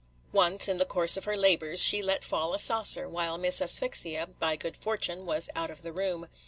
Once, in the course of her labors, she let fall a saucer, while Miss Asphyxia, by good fortune, was out of the room.